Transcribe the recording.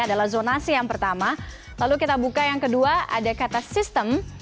adalah zonasi yang pertama lalu kita buka yang kedua ada kata sistem